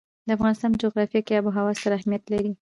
د افغانستان په جغرافیه کې آب وهوا ستر اهمیت لري.